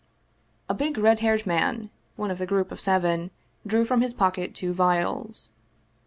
A big, red haired man, one of the group of seven, drew from his pocket two vials.